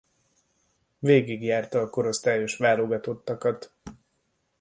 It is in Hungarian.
Végigjárta a korosztályos válogatottakat.